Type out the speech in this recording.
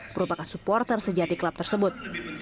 merupakan supporter sejati klub tersebut